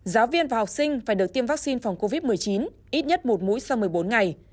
giáo viên và học sinh phải được tiêm vaccine phòng covid một mươi chín ít nhất một mũi sau một mươi bốn ngày